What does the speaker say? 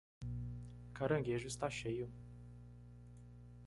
Caranguejo está cheio